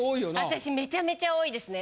私めちゃめちゃ多いですね。